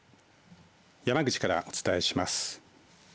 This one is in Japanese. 山口からお伝えします。